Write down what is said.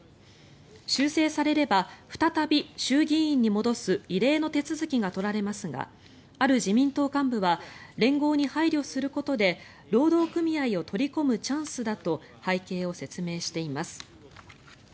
修正されれば再び衆議院に戻す異例の手続きが取られますがある自民党幹部は連合に配慮することで労働組合を取り込むチャンスだと背景を説明しています。